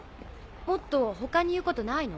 もっと他に言うことないの？